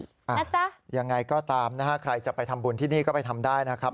นะจ๊ะยังไงก็ตามนะฮะใครจะไปทำบุญที่นี่ก็ไปทำได้นะครับ